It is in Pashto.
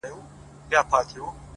اوس پر ما لري!!